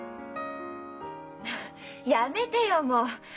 やめてよもう。